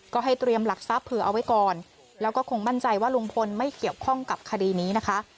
ก็ให้เตรียมหลักทรัพย์เผื่อเอาไว้ก่อนแล้วก็คงมั่นใจว่าลุงพลไม่เกี่ยวข้องกับคดีนี้นะคะ